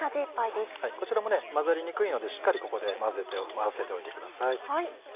こちらも混ざりにくいのでしっかりここで混ぜて合わせておいてください。